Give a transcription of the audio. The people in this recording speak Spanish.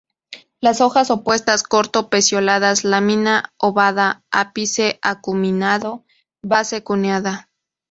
Las hojas opuestas, corto pecioladas, lámina ovada, ápice acuminado, base cuneada.